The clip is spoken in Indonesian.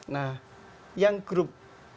nah yang grup satu dua tiga